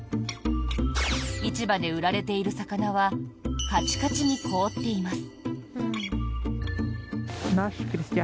市場で売られている魚はカチカチに凍っています。